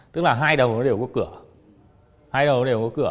tức là hai đầu nó đều có cửa